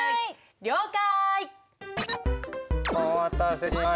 了解！